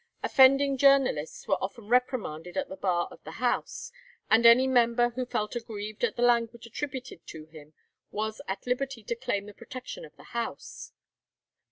Offending journalists were often reprimanded at the bar of the House, and any member who felt aggrieved at the language attributed to him was at liberty to claim the protection of the House.